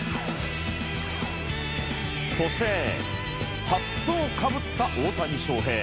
そしてハットをかぶった大谷翔平。